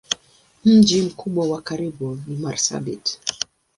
Mji mkubwa wa karibu ni Marsabit.